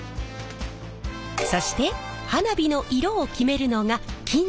そして花火の色を決めるのが金属の粉。